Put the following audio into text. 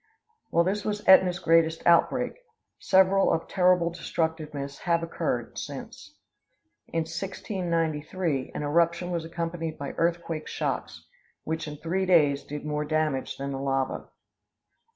While this was Ætna's greatest outbreak, several of terrible destructiveness have occurred since. In 1693 an eruption was accompanied by earthquake shocks, which in three days did more damage than the lava.